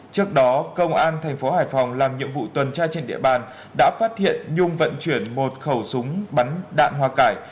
trước đó công an thành phố hải phòng làm nhiệm vụ tuần tra trên địa bàn đã phát hiện nhung vận chuyển một khẩu súng bắn đạn hoa cải